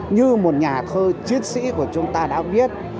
như một nhà thơ chiến sĩ của chúng ta đã viết